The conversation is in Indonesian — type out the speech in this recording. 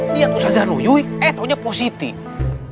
lihat ustaz zanuyui eh taunya positif